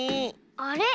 あれ？